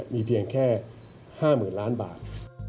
มีเพียงแค่๕๐๐๐ล้านบาท